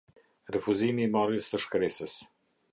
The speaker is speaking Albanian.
Refuzimi i marrjes së shkresës.